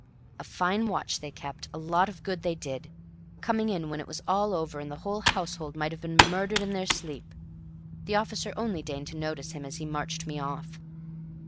A fine watch they kept; a lot of good they did; coming in when all was over and the whole household might have been murdered in their sleep. The officer only deigned to notice him as he marched me off.